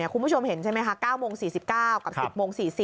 คุณผู้ชมเห็นใช่ไหมคะ๙โมง๔๙กับ๑๐โมง๔๐